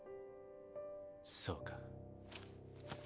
そうか。